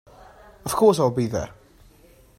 Of course, I’ll be there!